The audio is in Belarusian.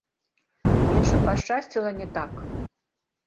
Іншым пашчасціла не так.